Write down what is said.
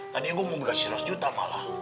tadinya gua mau beri seratus juta malah